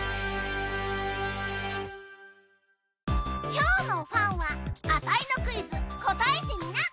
きょうのＦＵＮはアタイのクイズこたえてみな。